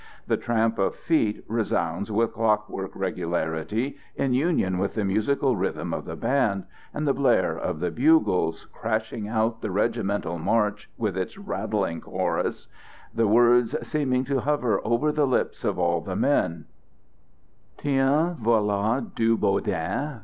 The tramp of feet resounds with clockwork regularity, in union with the musical rhythm of the band, and the blare of the bugles, crashing out the regimental march with its rattling chorus, the words seeming to hover over the lips of all the men: "Tiens voila du boudin!